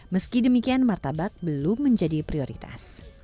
meski demikian martabak belum menjadi prioritas